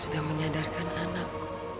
dan yang terbaik